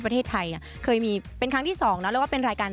ประเทศไทยเคยมีเป็นครั้งที่สองนะแล้วก็เป็นรายการ